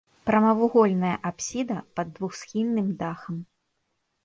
Прамавугольная апсіда пад двухсхільным дахам.